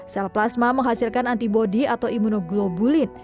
sel plasma menghasilkan antibody atau imunoglobulin